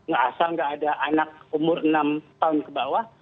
nggak asal nggak ada anak umur enam tahun ke bawah